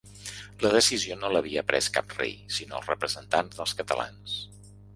La decisió no l’havia pres cap rei, sinó els representants dels catalans.